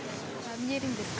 見えるんですか？